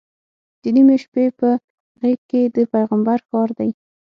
د نیمې شپې په غېږ کې د پیغمبر ښار دی.